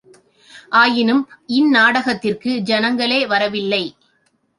ஆயினும் இந்நாடகத்திற்கு ஜனங்களே வரவில்லை.